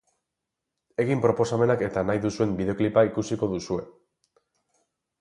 Egin proposamenak eta nahi duzuen bideoklipa ikusiko duzue!